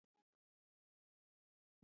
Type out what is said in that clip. سانتیاګو نا امیده نه کیږي.